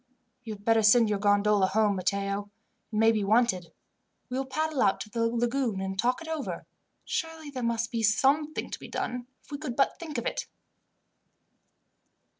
"You had better send your gondola home, Matteo. It may be wanted. We will paddle out to the lagoon and talk it over. Surely there must be something to be done, if we could but think of it.